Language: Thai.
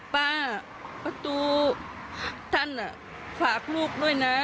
ป้าประตูท่านฝากลูกด้วยนะ